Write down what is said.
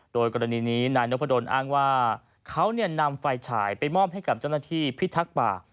โดยกรณีนี้นายนพดลอ้างว่าเขานำไฟฉายไปมอบให้กับเจ้าหน้าที่พิทักษ์ป่า